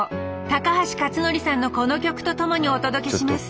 高橋克典さんのこの曲と共にお届けします